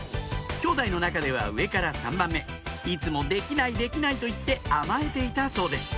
きょうだいの中では上から３番目いつも「できないできない」と言って甘えていたそうです